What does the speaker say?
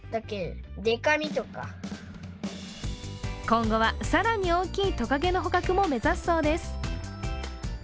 今後は、更に大きいとかげの捕獲も目指すそうです。